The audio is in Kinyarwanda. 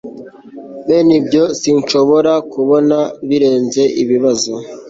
bene ibyo sinshobora kubona birenze ibibazo ..